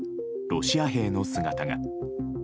ロシア兵の姿が。